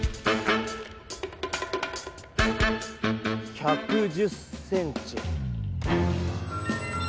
１１０ｃｍ。